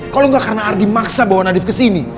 kalo gak karena ardi maksa bawa nadif kesini